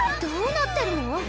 どうなってるの？